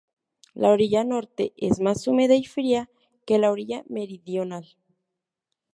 La orilla norte es más húmeda y fría que la orilla meridional.